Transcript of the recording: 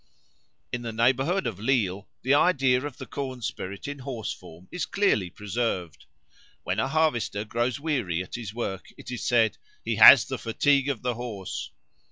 In the neighbourhood of Lille the idea of the corn spirit in horse form in clearly preserved. When a harvester grows weary at his work, it is said, "He has the fatigue of the Horse."